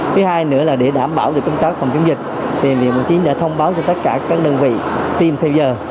cái hai nữa là để đảm bảo được công tác phòng chống dịch thì bộ chính đã thông báo cho tất cả các đơn vị tiêm theo giờ